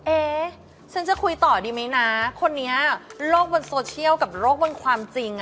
เอ๊ะฉันจะคุยต่อดีไหมนะคนนี้โลกบนโซเชียลกับโลกบนความจริง